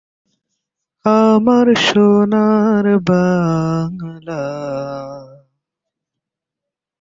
বামহাতে ব্যাটিংয়ে দক্ষ ছিলেন।